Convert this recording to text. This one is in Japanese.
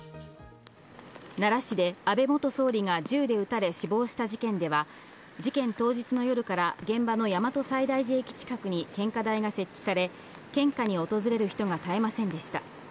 奈良市で安倍元総理が銃で撃たれ死亡した事件では、事件当日の夜から現場の大和西大寺駅近くに献花台が設置され、献花に訪れる人が絶えませんでした。